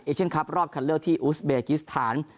เชียนคลับรอบคันเลือกที่อูสเบกิสถาน